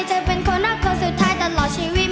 จะเป็นคนรักคนสุดท้ายตลอดชีวิต